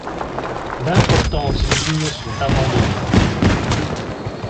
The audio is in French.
D’importantes lignes sont abandonnées.